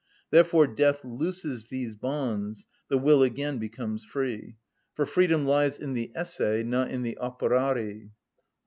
Therefore death looses these bonds; the will again becomes free; for freedom lies in the Esse, not in the Operari.